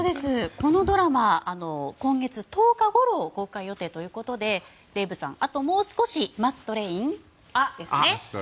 このドラマ、今月１０日ごろ公開予定ということでデーブさん、あともう少しマットレインですね。